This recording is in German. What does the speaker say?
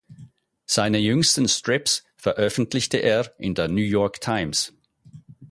Seine jüngsten Strips veröffentlichte er in der New York Times.